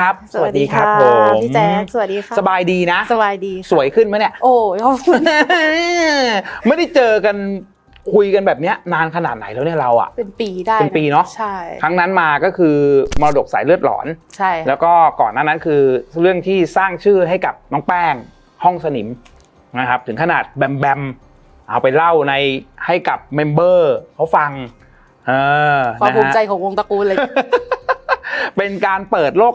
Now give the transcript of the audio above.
ครับสวัสดีครับผมพี่แจ๊คสวัสดีค่ะสบายดีนะสบายดีสวยขึ้นไหมเนี่ยโอ้ไม่ได้เจอกันคุยกันแบบเนี้ยนานขนาดไหนแล้วเนี่ยเราอ่ะเป็นปีได้เป็นปีเนอะใช่ครั้งนั้นมาก็คือมรดกสายเลือดหลอนใช่แล้วก็ก่อนหน้านั้นคือเรื่องที่สร้างชื่อให้กับน้องแป้งห้องสนิมนะครับถึงขนาดแบมแบมเอาไปเล่าในให้กับเมมเบอร์เขาฟังเออความภูมิใจของวงตระกูลเลยเป็นการเปิดโลก